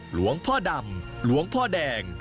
หลวงพ่อดำหลวงพ่อแดง